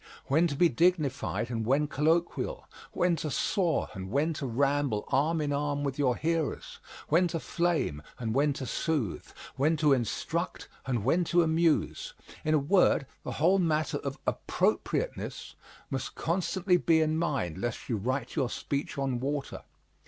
When to be dignified and when colloquial, when to soar and when to ramble arm in arm with your hearers, when to flame and when to soothe, when to instruct and when to amuse in a word, the whole matter of APPROPRIATENESS must constantly be in mind lest you write your speech on water.